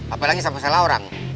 apalagi sama salah orang